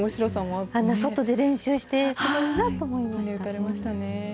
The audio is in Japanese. あんな外で練習して、すごいなと思いました。